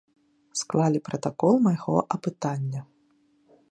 Склалі пратакол майго апытання.